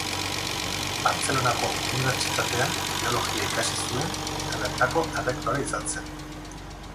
Bartzelonako Unibertsitatean biologia ikasi zuen, eta bertako errektore izan zen.